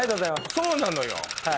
そうなのよ。